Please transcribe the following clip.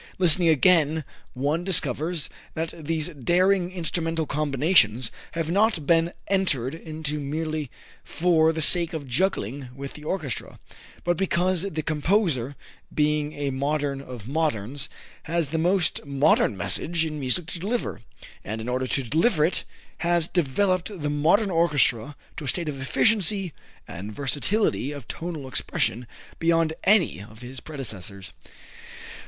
Listening again, one discovers that these daring instrumental combinations have not been entered into merely for the sake of juggling with the orchestra, but because the composer, being a modern of moderns, has the most modern message in music to deliver, and, in order to deliver it, has developed the modern orchestra to a state of efficiency and versatility of tonal expression beyond any of his predecessors.